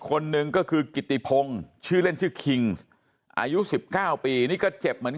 คนหนึ่งก็คือกิติพงศ์ชื่อเล่นชื่อคิงอายุ๑๙ปีนี่ก็เจ็บเหมือนกัน